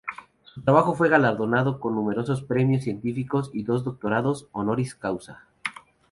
Su trabajo fue galardonado con numerosos premios científicos y dos doctorados "honoris causa".